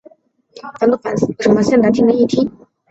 藤泽町是位于岩手县南端的一町。